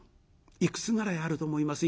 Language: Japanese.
いくつぐらいあると思います？